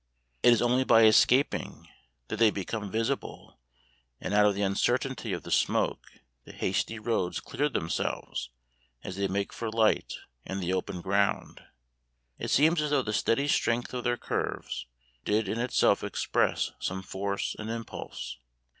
It is only by escaping that they become visible, and out of the uncertainty of the smoke the hasty roads clear themselves as they make for light and the open ground. It seems as though the steady strength of their curves did in itself express some force and impulse.